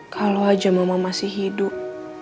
kalau aja mama masih hidup